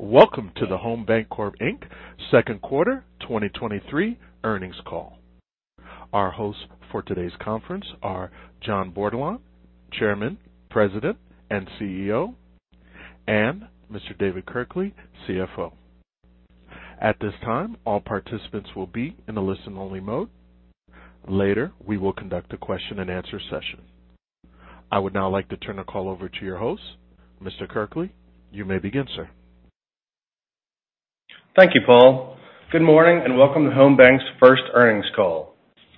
Welcome to the Home Bancorp Inc 2nd Quarter 2023 Earnings Call. Our hosts for today's conference are John Bordelon, Chairman, President, and CEO, and Mr. David Kirkley, CFO. At this time, all participants will be in a listen-only mode. Later, we will conduct a question-and-answer session. I would now like to turn the call over to your host, Mr. Kirkley. You may begin, sir. Thank you, Paul. Good morning, and welcome to Home Bank's first earnings call.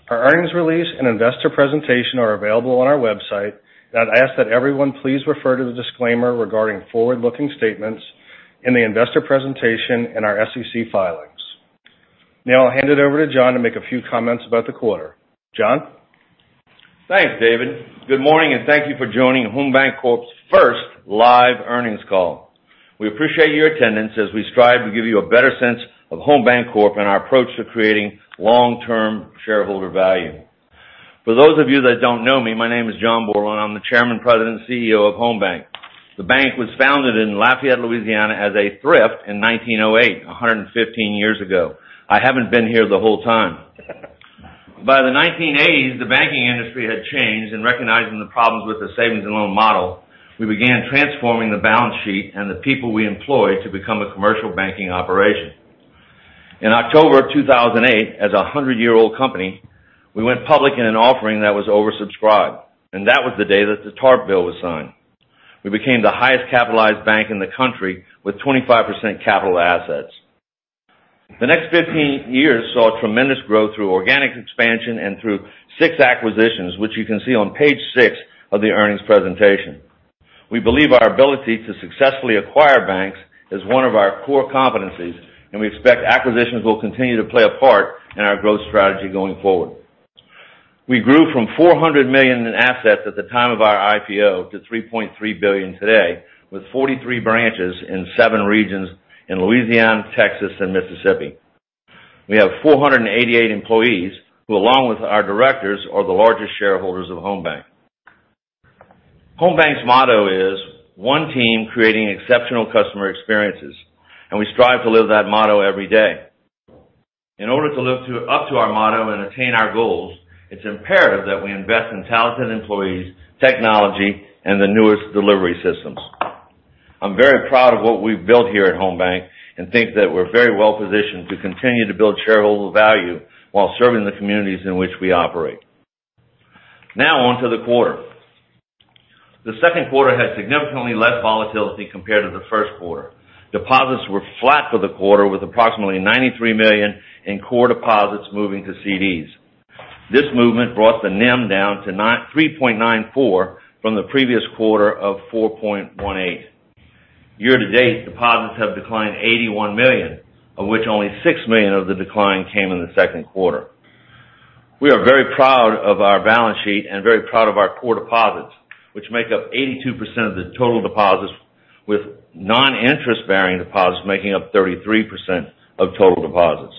Our earnings release and investor presentation are available on our website, and I'd ask that everyone please refer to the disclaimer regarding forward-looking statements in the investor presentation and our SEC filings. Now, I'll hand it over to John to make a few comments about the quarter. John? Thanks, David. Good morning, and thank you for joining Home Bancorp's first live earnings call. We appreciate your attendance as we strive to give you a better sense of Home Bancorp and our approach to creating long-term shareholder value. For those of you that don't know me, my name is John Bordelon. I'm the Chairman, President, and CEO of Home Bank. The bank was founded in Lafayette, Louisiana, as a thrift in 1908, 115 years ago. I haven't been here the whole time. By the 1980s, the banking industry had changed, and recognizing the problems with the savings and loan model, we began transforming the balance sheet and the people we employed to become a commercial banking operation. In October of 2008, as a 100-year-old company, we went public in an offering that was oversubscribed, and that was the day that the TARP Bill was signed. We became the highest capitalized bank in the country, with 25% capital assets. The next 15 years saw tremendous growth through organic expansion and through six acquisitions, which you can see on page six of the earnings presentation. We believe our ability to successfully acquire banks is one of our core competencies, and we expect acquisitions will continue to play a part in our growth strategy going forward. We grew from $400 million in assets at the time of our IPO to $3.3 billion today, with 43 branches in seven regions in Louisiana, Texas, and Mississippi. We have 488 employees, who, along with our directors, are the largest shareholders of Home Bank. Home Bank's motto is, one team creating exceptional customer experiences, and we strive to live that motto every day. In order to live up to our motto and attain our goals, it's imperative that we invest in talented employees, technology, and the newest delivery systems. I'm very proud of what we've built here at Home Bank and think that we're very well positioned to continue to build shareholder value while serving the communities in which we operate. Now, on to the quarter. The second quarter had significantly less volatility compared to the first quarter. Deposits were flat for the quarter, with approximately $93 million in core deposits moving to CDs. This movement brought the NIM down to 3.94% from the previous quarter of 4.18%. Year to date, deposits have declined $81 million, of which only $6 million of the decline came in the second quarter. We are very proud of our balance sheet and very proud of our core deposits, which make up 82% of the total deposits, with non-interest-bearing deposits making up 33% of total deposits.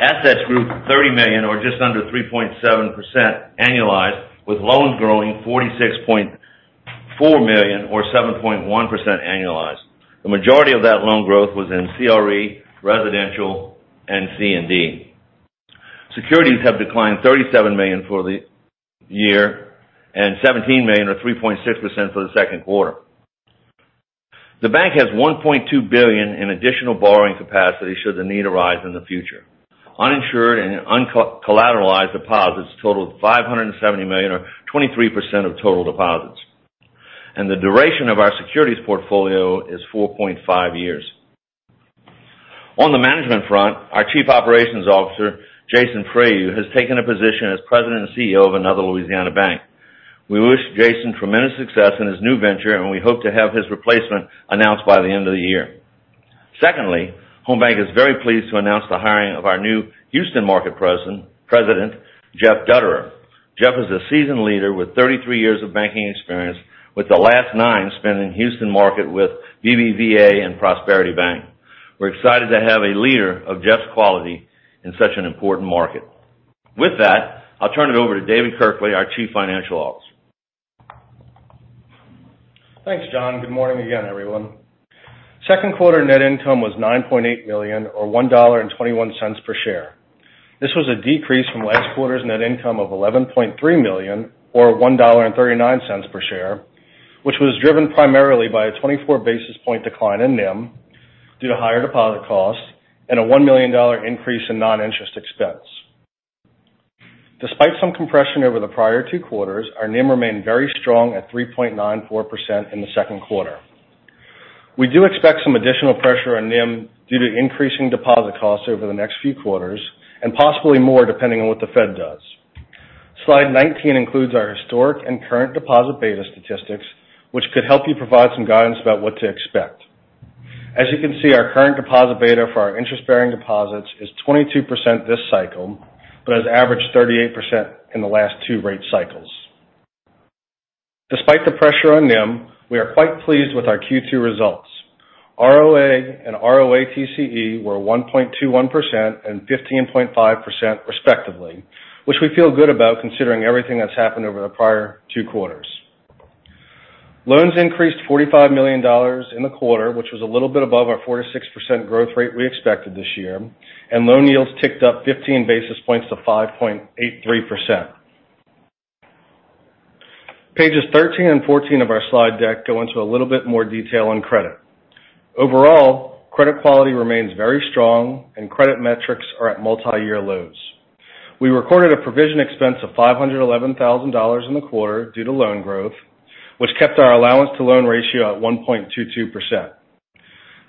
Assets grew $30 million, or just under 3.7% annualized, with loans growing $46.4 million, or 7.1% annualized. The majority of that loan growth was in CRE, residential, and C&D. Securities have declined $37 million for the year and $17 million, or 3.6%, for the second quarter. The bank has $1.2 billion in additional borrowing capacity should the need arise in the future. Uninsured and uncollateralized deposits totaled $570 million, or 23% of total deposits, and the duration of our securities portfolio is four and half years. On the management front, our Chief Operations Officer, Jason Frey, has taken a position as president and CEO of another Louisiana bank. We wish Jason tremendous success in his new venture, and we hope to have his replacement announced by the end of the year. Secondly, Home Bank is very pleased to announce the hiring of our new Houston Market President, Jeff Dutterer. Jeff is a seasoned leader with 33 years of banking experience, with the last nine spent in the Houston market with BBVA and Prosperity Bank. We're excited to have a leader of Jeff's quality in such an important market. With that, I'll turn it over to David Kirkley, our Chief Financial Officer. Thanks, John. Good morning again, everyone. Second quarter net income was $9.8 million, or $1.21 per share. This was a decrease from last quarter's net income of $11.3 million, or $1.39 per share, which was driven primarily by a 24 basis point decline in NIM due to higher deposit costs and a $1 million increase in non-interest expense. Despite some compression over the prior two quarters, our NIM remained very strong at 3.94% in the second quarter. We do expect some additional pressure on NIM due to increasing deposit costs over the next few quarters, and possibly more, depending on what the Fed does. Slide 19 includes our historic and current deposit beta statistics, which could help you provide some guidance about what to expect. As you can see, our current deposit beta for our interest-bearing deposits is 22% this cycle, but has averaged 38% in the last two rate cycles. Despite the pressure on NIM, we are quite pleased with our Q2 results. ROA and ROATCE were 1.21% and 15.5% respectively, which we feel good about considering everything that's happened over the prior two quarters. Loans increased $45 million in the quarter, which was a little bit above our 4%-6% growth rate we expected this year, and loan yields ticked up 15 basis points to 5.83%. Pages 13 and 14 of our slide deck go into a little bit more detail on credit. Overall, credit quality remains very strong and credit metrics are at multi-year lows. We recorded a provision expense of $511,000 in the quarter due to loan growth, which kept our allowance to loan ratio at 1.22%.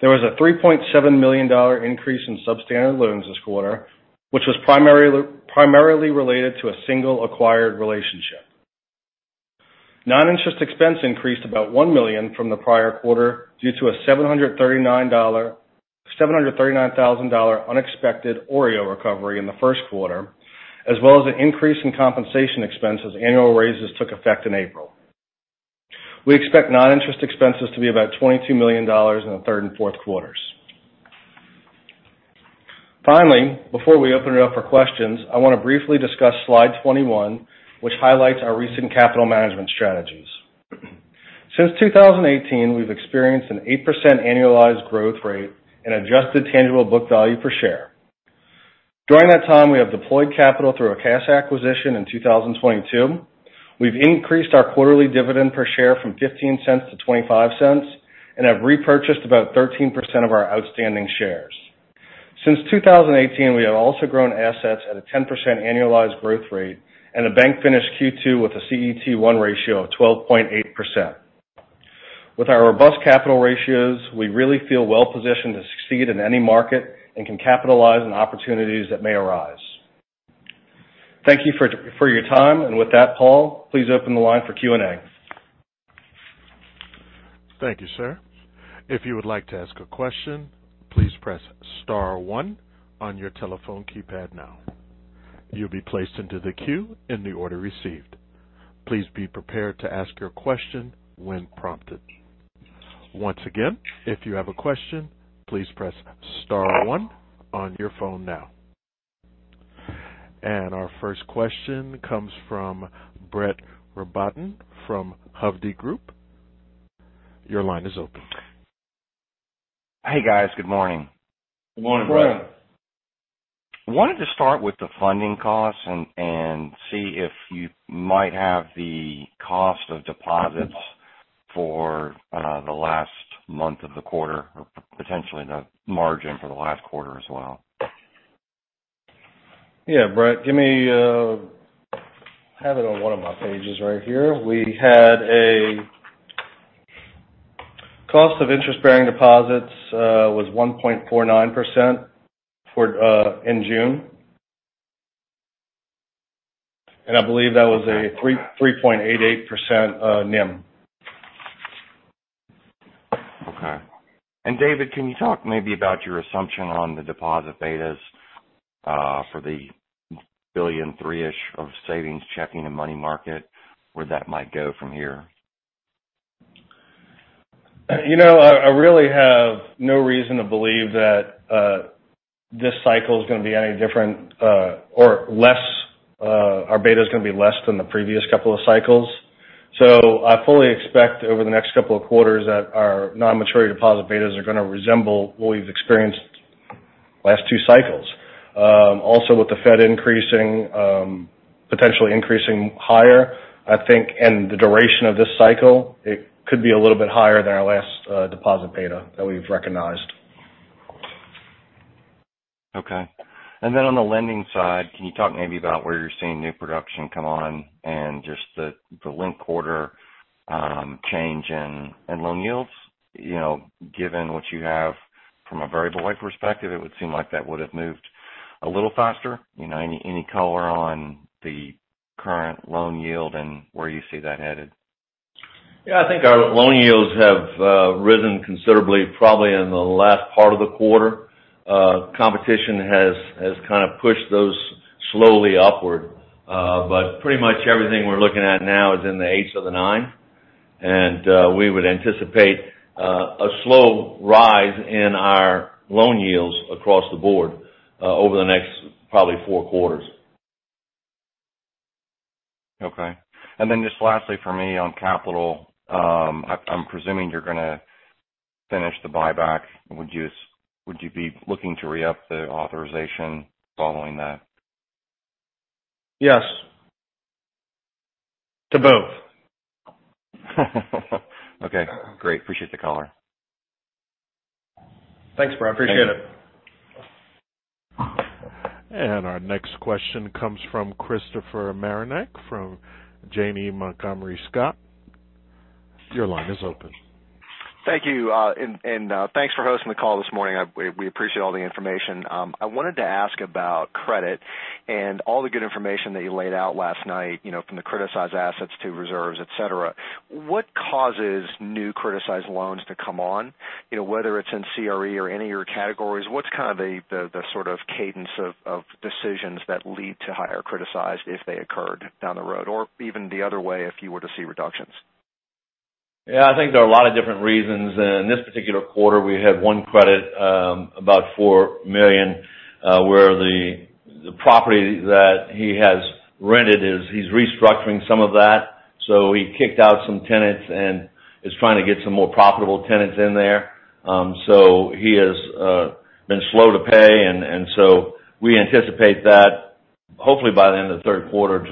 There was a $3.7 million increase in substandard loans this quarter, which was primarily related to a single acquired relationship. Non-interest expense increased about $1 million from the prior quarter due to a $739,000 unexpected OREO recovery in the first quarter, as well as an increase in compensation expenses. Annual raises took effect in April. We expect non-interest expenses to be about $22 million in the third and fourth quarters. Before we open it up for questions, I want to briefly discuss Slide 21, which highlights our recent capital management strategies. Since 2018, we've experienced an 8% annualized growth rate in adjusted tangible book value per share. During that time, we have deployed capital through a cash acquisition in 2022. We've increased our quarterly dividend per share from $0.15 to $0.25 and have repurchased about 13% of our outstanding shares. Since 2018, we have also grown assets at a 10% annualized growth rate, and the bank finished Q2 with a CET1 ratio of 12.8%. With our robust capital ratios, we really feel well positioned to succeed in any market and can capitalize on opportunities that may arise. Thank you for your time, and with that, Paul, please open the line for Q&A. Thank you, sir. If you would like to ask a question, please press star one on your telephone keypad now. You'll be placed into the queue in the order received. Please be prepared to ask your question when prompted. Once again, if you have a question, please press star one on your phone now. Our first question comes from Brett Rabatin, from Hovde Group. Your line is open. Hey, guys, good morning. Good morning, Brett. Good morning. I wanted to start with the funding costs and see if you might have the cost of deposits for the last month of the quarter, or potentially the margin for the last quarter as well. Yeah, Brett, give me, I have it on one of my pages right here. We had a cost of interest-bearing deposits, was 1.49% for, in June. I believe that was a 3.88% NIM. Okay. David, can you talk maybe about your assumption on the deposit betas, for the $1.3 billion ish of savings, checking, and money market, where that might go from here? You know, I really have no reason to believe that this cycle is going to be any different, or less, our deposit beta is going to be less than the previous couple of cycles. I fully expect over the next couple of quarters that our non-maturity deposit betas are going to resemble what we've experienced the last two cycles. With the Fed increasing, potentially increasing higher, I think, and the duration of this cycle, it could be a little bit higher than our last deposit beta that we've recognized. Okay. On the lending side, can you talk maybe about where you're seeing new production come on and just the linked quarter change in loan yields? You know, given what you have from a variable life perspective, it would seem like that would have moved a little faster. You know, any color on the current loan yield and where you see that headed? I think our loan yields have risen considerably, probably in the last part of the quarter. Competition has kind of pushed those slowly upward, but pretty much everything we're looking at now is in the eighths of the nine, and we would anticipate a slow rise in our loan yields across the board over the next probably four quarters. Okay. Then just lastly for me on capital, I'm presuming you're gonna finish the buyback. Would you be looking to re-up the authorization following that? Yes. To both. Okay, great. Appreciate the color. Thanks, Brett. I appreciate it. Thank you. Our next question comes from Christopher Marinac, from Janney Montgomery Scott. Your line is open. Thank you, and, thanks for hosting the call this morning. We appreciate all the information. I wanted to ask about credit and all the good information that you laid out last night, you know, from the criticized assets to reserves, et cetera. What causes new criticized loans to come on? You know, whether it's in CRE or any of your categories, what's kind of the sort of cadence of decisions that lead to higher criticized if they occurred down the road, or even the other way, if you were to see reductions? Yeah, I think there are a lot of different reasons. In this particular quarter, we had one credit, about $4 million, where the property that he has rented is, he's restructuring some of that. He kicked out some tenants and is trying to get some more profitable tenants in there. He has been slow to pay, and so we anticipate that hopefully by the end of the third quarter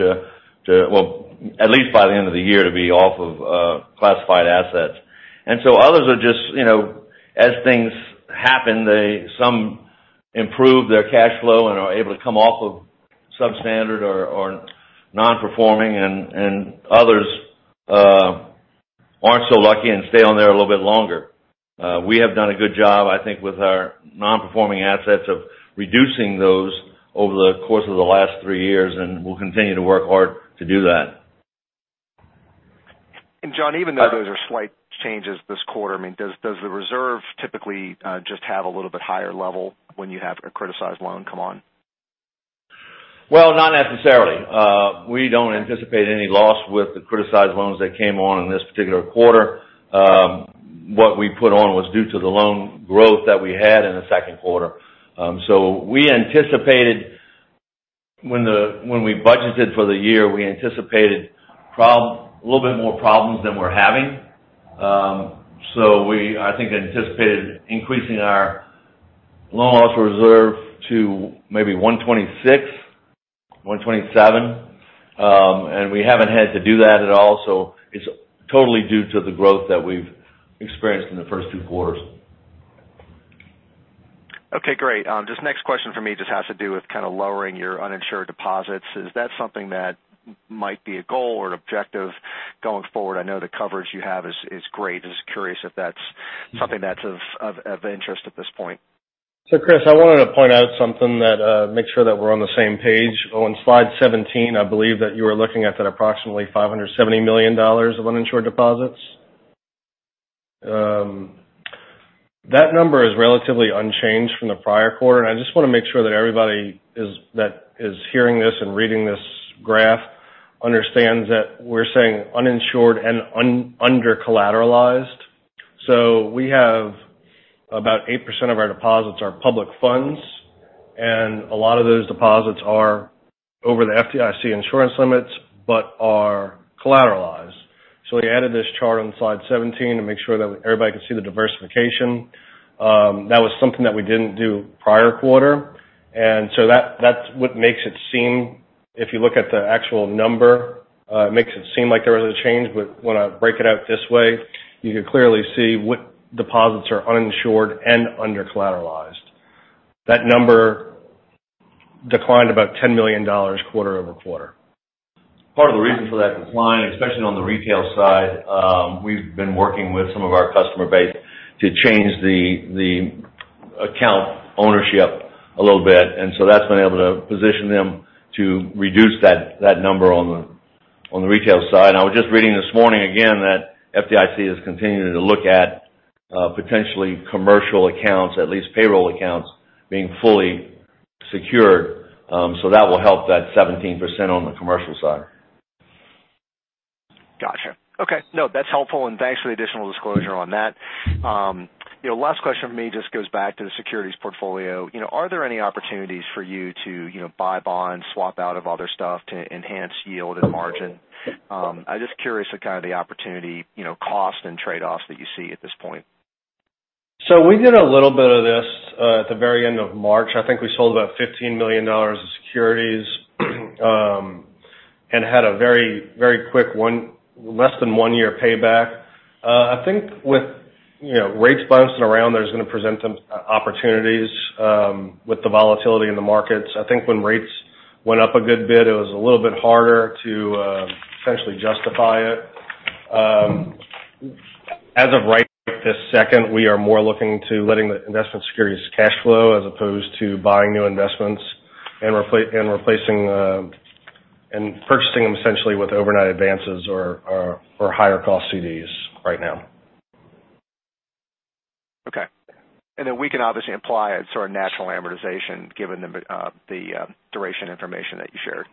to well, at least by the end of the year, to be off of classified assets. Others are just, you know, as things happen, they some improve their cash flow and are able to come off of substandard or non-performing, and others aren't so lucky and stay on there a little bit longer. We have done a good job, I think, with our non-performing assets, of reducing those over the course of the last three years, and we'll continue to work hard to do that. John, even though those are slight changes this quarter, I mean, does the reserve typically just have a little bit higher level when you have a criticized loan come on? Well, not necessarily. We don't anticipate any loss with the criticized loans that came on in this particular quarter. What we put on was due to the loan growth that we had in the second quarter. We anticipated when we budgeted for the year, we anticipated a little bit more problems than we're having. We, I think, anticipated increasing our loan loss reserve to maybe 126, 127, and we haven't had to do that at all. It's totally due to the growth that we've experienced in the first two quarters. Okay, great. This next question for me just has to do with kind of lowering your uninsured deposits. Is that something that might be a goal or an objective going forward? I know the coverage you have is great. Just curious if that's something that's of interest at this point. Chris, I wanted to point out something that make sure that we're on the same page. On Slide 17, I believe that you were looking at that approximately $570 million of uninsured deposits? That number is relatively unchanged from the prior quarter, and I just want to make sure that everybody that is hearing this and reading this graph understands that we're saying uninsured and undercollateralized. We have about 8% of our deposits are public funds, and a lot of those deposits are over the FDIC insurance limits, but are collateralized. We added this chart on Slide 17 to make sure that everybody can see the diversification. That was something that we didn't do prior quarter. That's what makes it seem, if you look at the actual number, it makes it seem like there was a change. When I break it out this way, you can clearly see what deposits are uninsured and undercollateralized. That number declined about $10 million quarter-over-quarter. Part of the reason for that decline, especially on the retail side, we've been working with some of our customer base to change the account ownership a little bit. That's been able to position them to reduce that number on the, on the retail side. I was just reading this morning again, that FDIC is continuing to look at, potentially commercial accounts, at least payroll accounts, being fully secured. That will help that 17% on the commercial side. Gotcha. Okay, no, that's helpful. Thanks for the additional disclosure on that. You know, last question for me just goes back to the securities portfolio. You know, are there any opportunities for you to, you know, buy bonds, swap out of other stuff to enhance yield and margin? I'm just curious of kind of the opportunity, you know, cost and trade-offs that you see at this point. We did a little bit of this at the very end of March. I think we sold about $15 million of securities and had a very, very quick less than one year payback. I think with, you know, rates bouncing around, there's going to present some opportunities with the volatility in the markets. I think when rates went up a good bit, it was a little bit harder to essentially justify it. As of right this second, we are more looking to letting the investment securities cash flow as opposed to buying new investments and replacing and purchasing them essentially with overnight advances or higher cost CDs right now. Okay. Then we can obviously imply a sort of natural amortization given the duration information that you shared.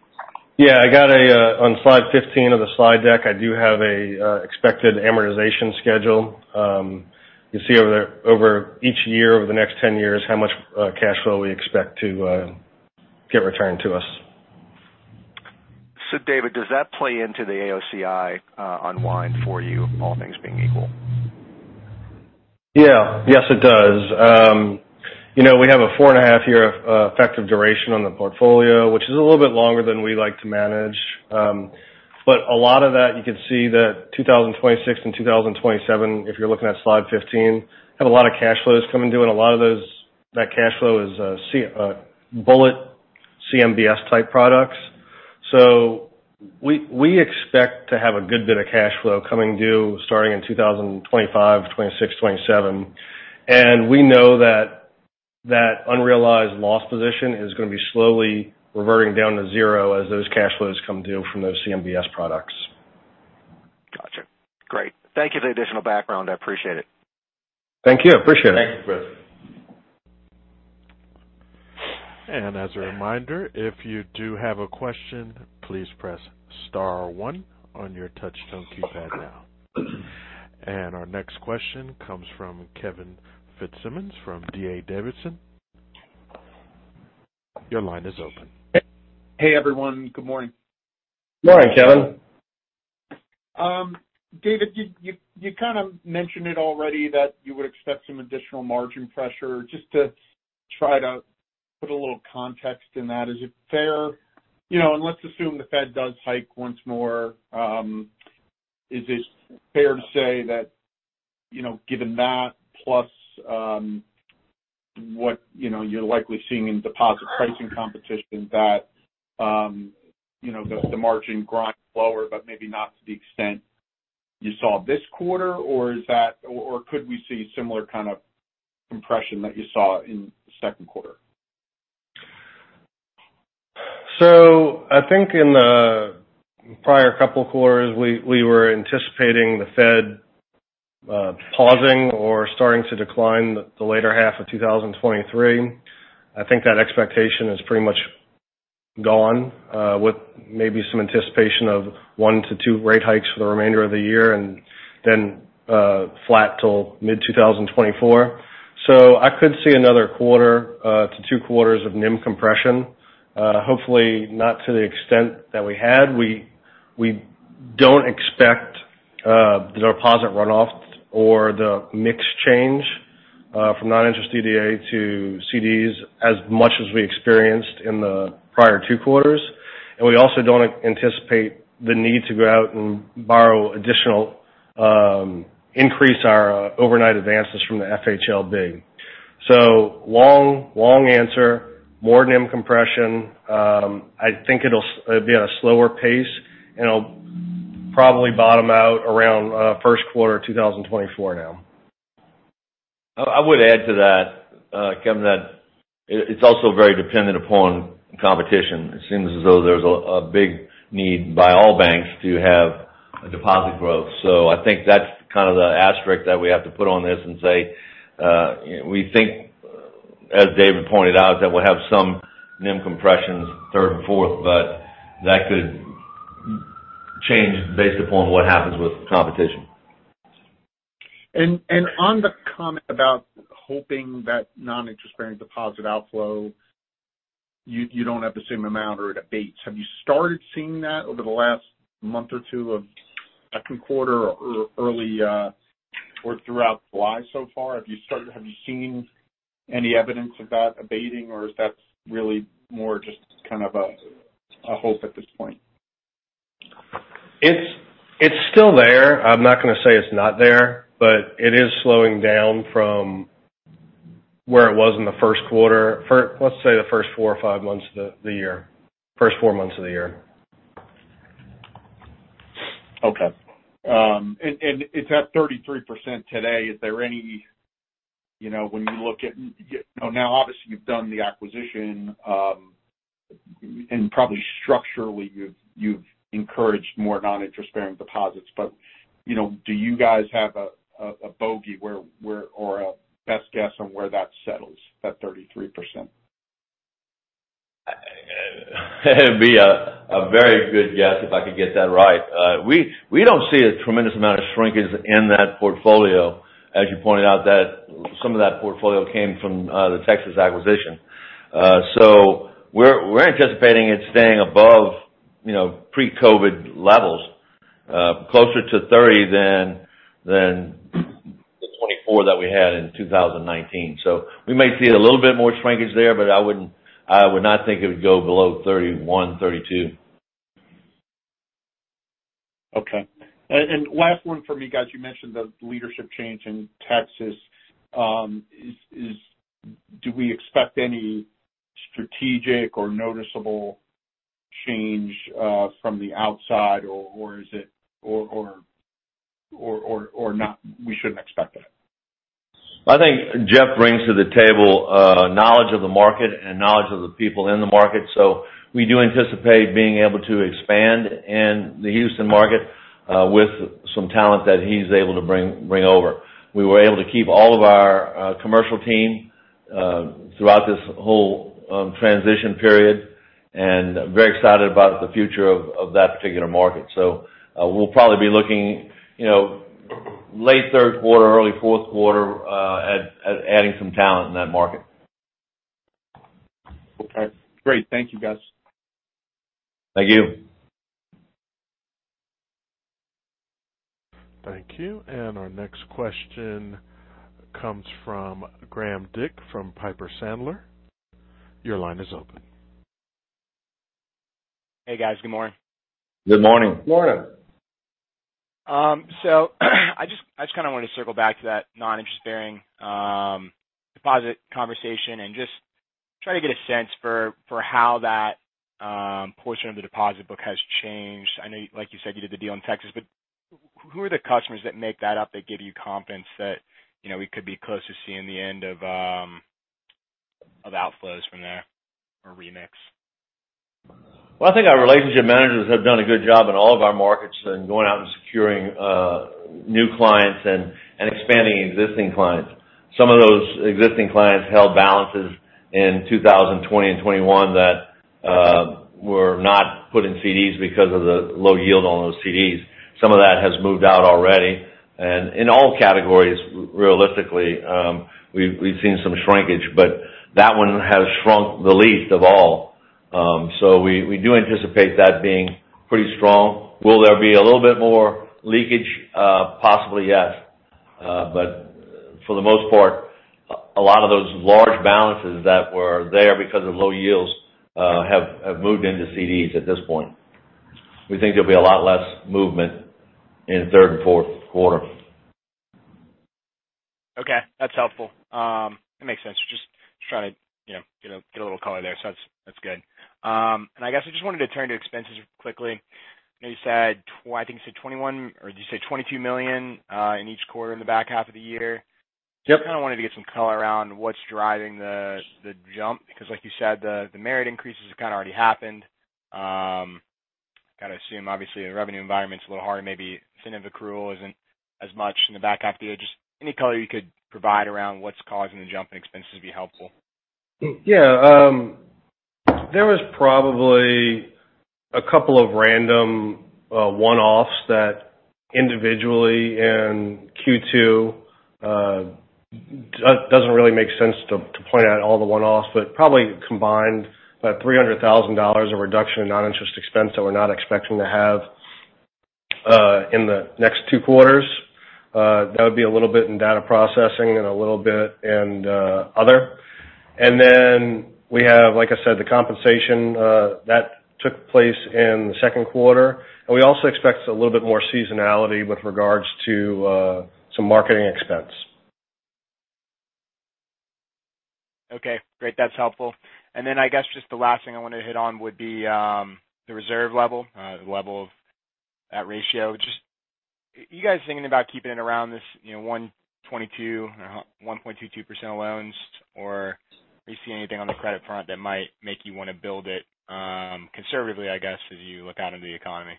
Yeah, I got a. On Slide 15 of the slide deck, I do have a expected amortization schedule. You'll see over each year, over the next 10 years, how much cash flow we expect to get returned to us. David, does that play into the AOCI, unwind for you, all things being equal? Yeah. Yes, it does. you know, we have a four and half year effective duration on the portfolio, which is a little bit longer than we like to manage. A lot of that, you can see that 2026 and 2027, if you're looking at Slide 15, have a lot of cash flows coming due, and a lot of those, that cash flow is bullet CMBS type products. We expect to have a good bit of cash flow coming due starting in 2025, 2026, 2027. We know that that unrealized loss position is going to be slowly reverting down to zero as those cash flows come due from those CMBS products. Gotcha. Great. Thank you for the additional background. I appreciate it. Thank you. Appreciate it. Thank you, Chris. As a reminder, if you do have a question, please press star one on your touchtone keypad now. Our next question comes from Kevin Fitzsimmons from D.A. Davidson. Your line is open. Hey, everyone. Good morning. Good morning, Kevin. David, you kind of mentioned it already that you would expect some additional margin pressure. Just to try to put a little context in that, is it fair, you know, and let's assume the Fed does hike once more, is it fair to say that, you know, given that, plus, what, you know, you're likely seeing in deposit pricing competition, that, you know, the margin grind lower, but maybe not to the extent you saw this quarter? Or could we see similar kind of compression that you saw in the second quarter? I think in the prior couple quarters, we were anticipating the Fed pausing or starting to decline the later half of 2023. I think that expectation is pretty much gone with maybe some anticipation of one to two rate hikes for the remainder of the year and then flat till mid 2024. I could see another quarter to two quarters of NIM compression. Hopefully, not to the extent that we had. We don't expect the deposit runoff or the mix change from non-interest DDA to CDs as much as we experienced in the prior two quarters. We also don't anticipate the need to go out and borrow additional, increase our overnight advances from the FHLB. Long, long answer, more NIM compression. I think it'll be at a slower pace, and it'll probably bottom out around, first quarter 2024 now. I would add to that, Kevin, that it's also very dependent upon competition. It seems as though there's a big need by all banks to have a deposit growth. I think that's kind of the asterisk that we have to put on this and say, we think, as David pointed out, that we'll have some NIM compressions third and fourth, but that could change based upon what happens with competition. On the comment about hoping that non-interest-bearing deposit outflow, you don't have the same amount or it abates, have you started seeing that over the last month or two of second quarter or early, or throughout July so far? Have you seen any evidence of that abating, or is that really more just kind of a hope at this point? It's still there. I'm not going to say it's not there, but it is slowing down from where it was in the first quarter. let's say the first four or five months of the year, first four months of the year. Okay. It's at 33% today. Is there any, you know, when you look at, you know, now, obviously, you've done the acquisition, and probably structurally, you've encouraged more non-interest-bearing deposits, you know, do you guys have a bogey where, or a best guess on where that settles, that 33%? It'd be a very good guess if I could get that right. We don't see a tremendous amount of shrinkage in that portfolio. As you pointed out, that some of that portfolio came from the Texas acquisition. We're anticipating it staying above, you know, pre-COVID levels, closer to 30% than the 24% that we had in 2019. We may see a little bit more shrinkage there, but I would not think it would go below 31%, 32%. Okay. Last one for me, guys. You mentioned the leadership change in Texas. Do we expect any strategic or noticeable change from the outside, or is it or not, we shouldn't expect it? I think Jeff brings to the table, knowledge of the market and knowledge of the people in the market. We do anticipate being able to expand in the Houston market with some talent that he's able to bring over. We were able to keep all of our commercial team throughout this whole transition period, and very excited about the future of that particular market. We'll probably be looking, you know, late third quarter, early fourth quarter at adding some talent in that market. Okay, great. Thank you, guys. Thank you. Thank you. Our next question comes from Graham Dick, from Piper Sandler. Your line is open. Hey, guys. Good morning. Good morning. Morning. I just kind of want to circle back to that non-interest-bearing deposit conversation and just try to get a sense for how that portion of the deposit book has changed. I know, like you said, you did the deal in Texas, who are the customers that make that up, that give you confidence that, you know, we could be close to seeing the end of outflows from there or remix? Well, I think our relationship managers have done a good job in all of our markets in going out and securing new clients and expanding existing clients. Some of those existing clients held balances in 2020 and 2021 that were not put in CDs because of the low yield on those CDs. Some of that has moved out already, and in all categories, realistically, we've seen some shrinkage, but that one has shrunk the least of all. We do anticipate that being pretty strong. Will there be a little bit more leakage? Possibly, yes. For the most part, a lot of those large balances that were there because of low yields, have moved into CDs at this point. We think there'll be a lot less movement in the third and fourth quarter. Okay, that's helpful. It makes sense. Just trying to, you know, get a little color there. That's good. I guess I just wanted to turn to expenses quickly. You said $21 million, or did you say $22 million, in each quarter in the back half of the year? Yep. Just kind of wanted to get some color around what's driving the jump, because like you said, the merit increases have kind of already happened, gotta assume, obviously, the revenue environment's a little hard, maybe incentive accrual isn't as much in the back half of the year. Just any color you could provide around what's causing the jump in expenses would be helpful. Yeah, there was probably a couple of random, one-offs that individually in Q2, doesn't really make sense to point out all the one-offs, but probably combined about $300,000 of reduction in non-interest expense that we're not expecting to have, in the next two quarters. That would be a little bit in data processing and a little bit in other. We have, like I said, the compensation, that took place in the second quarter, and we also expect a little bit more seasonality with regards to some marketing expense. Okay, great. That's helpful. I guess just the last thing I wanted to hit on would be the reserve level, the level of that ratio. Just, you guys thinking about keeping it around this, you know, 1.22%, or 1.22% loans? Are you seeing anything on the credit front that might make you want to build it, conservatively, I guess, as you look out into the economy?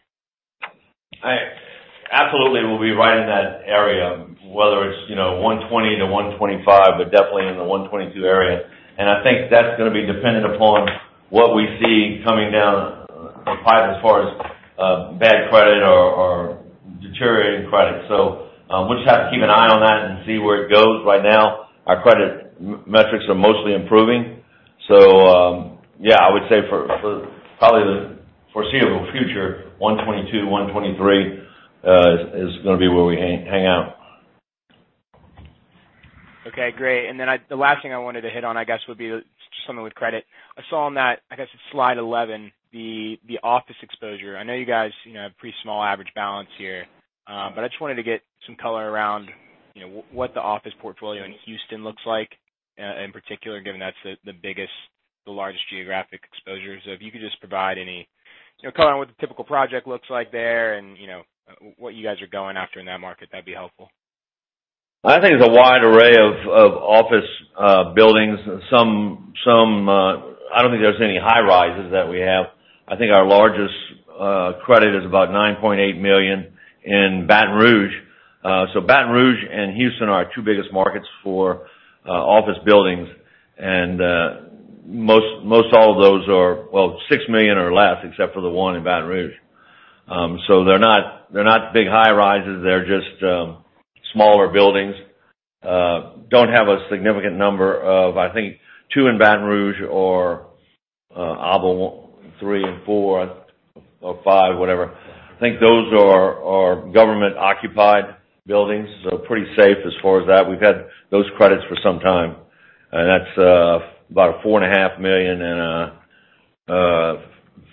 Absolutely, we'll be right in that area, whether it's, you know, 120-125, but definitely in the 122 area. I think that's gonna be dependent upon what we see coming down the pipe as far as bad credit or deteriorating credit. we'll just have to keep an eye on that and see where it goes. Right now, our credit metrics are mostly improving. Yeah, I would say for probably the foreseeable future, 122, 123, gonna be where we hang out. Okay, great. The last thing I wanted to hit on, I guess, would be just something with credit. I saw on that, I guess, Slide 11, the office exposure. I know you guys, you know, have pretty small average balance here, but I just wanted to get some color around, you know, what the office portfolio in Houston looks like, in particular, given that's the largest geographic exposure. If you could just provide any, you know, color on what the typical project looks like there and, you know, what you guys are going after in that market, that'd be helpful. I think there's a wide array of office buildings. Some, I don't think there's any high rises that we have. I think our largest credit is about $9.8 million in Baton Rouge. Baton Rouge and Houston are our two biggest markets for office buildings, and all of those are, well, $6 million or less, except for the one in Baton Rouge. They're not, they're not big high rises, they're just smaller buildings. Don't have a significant number of, I think, two in Baton Rouge or Abel three and four or five, whatever. I think those are government-occupied buildings, so pretty safe as far as that. We've had those credits for some time, and that's about a $4.5 million and a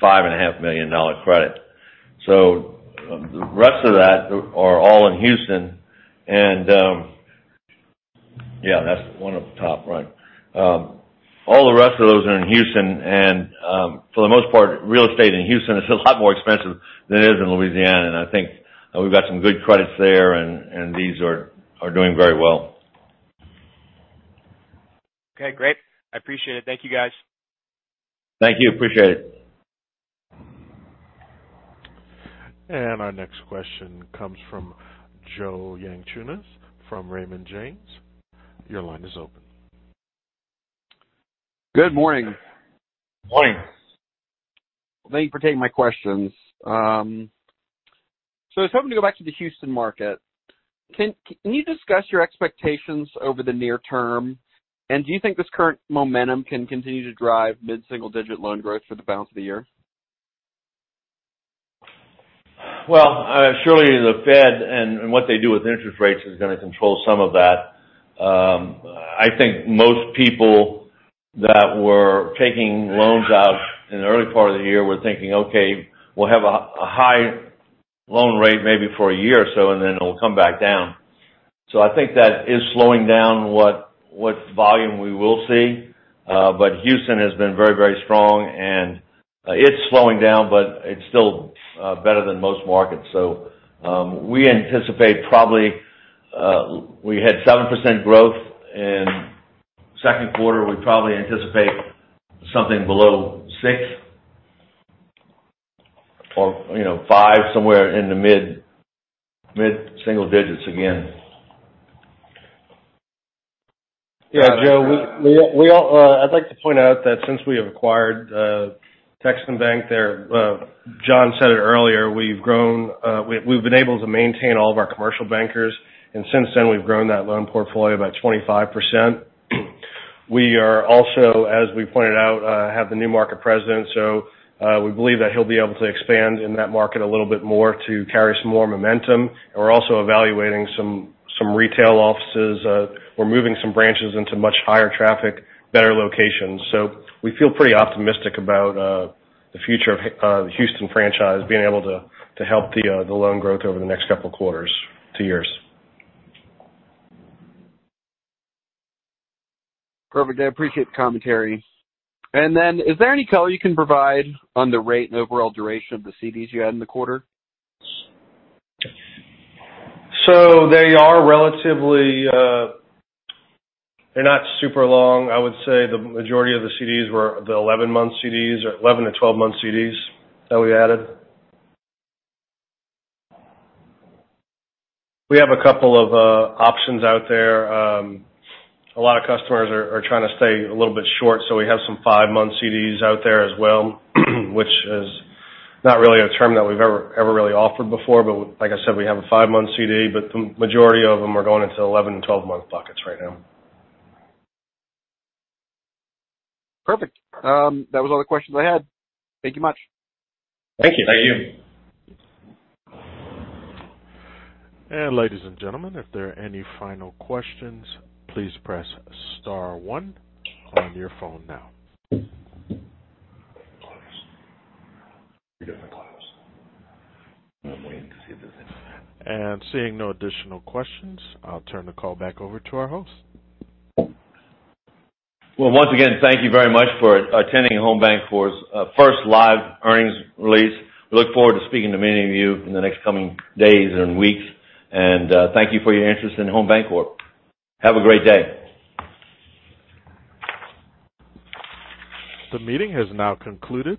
$5.5 million credit. The rest of that are all in Houston, yeah, that's one of the top, right. All the rest of those are in Houston. For the most part, real estate in Houston is a lot more expensive than it is in Louisiana. I think we've got some good credits there, and these are doing very well. Okay, great. I appreciate it. Thank you, guys. Thank you. Appreciate it. Our next question comes from Joe Yanchunis. Your line is open. Good morning. Morning. Thank you for taking my questions. I was hoping to go back to the Houston market. Can you discuss your expectations over the near term? Do you think this current momentum can continue to drive mid-single digit loan growth for the balance of the year? Surely the Fed and what they do with interest rates is gonna control some of that. I think most people that were taking loans out in the early part of the year were thinking, okay, we'll have a high loan rate maybe for a year or so, and then it'll come back down. I think that is slowing down what volume we will see. Houston has been very strong and it's slowing down, it's still better than most markets. We anticipate probably we had 7% growth second quarter, we probably anticipate something below 6% or, you know, 5%, somewhere in the mid-single digits again. Yeah, Joe, we all, I'd like to point out that since we have acquired Texan Bank there, John said it earlier, we've grown, we've been able to maintain all of our commercial bankers, and since then, we've grown that loan portfolio by 25%. We are also, as we pointed out, have the new market president, so we believe that he'll be able to expand in that market a little bit more to carry some more momentum. We're also evaluating some retail offices. We're moving some branches into much higher traffic, better locations. We feel pretty optimistic about the future of the Houston franchise being able to help the loan growth over the next couple of quarters to years. Perfect. I appreciate the commentary. Is there any color you can provide on the rate and overall duration of the CDs you had in the quarter? They are relatively, they're not super long. I would say the majority of the CDs were the 11-month CDs or 11- to 12-month CDs that we added. We have a couple of options out there. A lot of customers are trying to stay a little bit short, we have some five-month CDs out there as well, which is not really a term that we've ever really offered before, like I said, we have a five-month CD, the majority of them are going into 11-month and 12-month buckets right now. Perfect. That was all the questions I had. Thank you much. Thank you. Thank you. Ladies and gentlemen, if there are any final questions, please press star one on your phone now. Seeing no additional questions, I'll turn the call back over to our host. Well, once again, thank you very much for attending Home Bancorp's first live earnings release. We look forward to speaking to many of you in the next coming days and weeks. Thank you for your interest in Home Bancorp. Have a great day. The meeting has now concluded.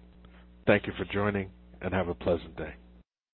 Thank you for joining, and have a pleasant day.